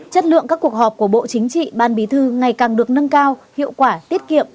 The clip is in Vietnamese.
chất lượng các cuộc họp của bộ chính trị ban bí thư ngày càng được nâng cao hiệu quả tiết kiệm